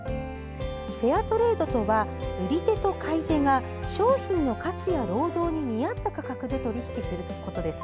フェアトレードとは売り手と買い手が商品の価値や労働に見合った価格で取引することです。